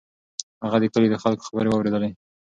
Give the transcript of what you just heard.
هغه د کلي د خلکو خبرې واورېدلې.